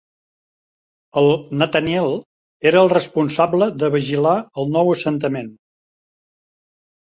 En Nathaniel era el responsable de vigilar el nou assentament.